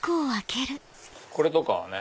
これとかはね。